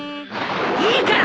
いいから！